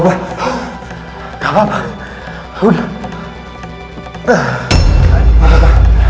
pak pak pak